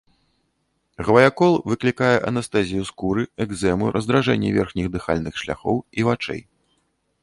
Гваякол выклікае анестэзію скуры, экзэму, раздражненне верхніх дыхальных шляхоў і вачэй.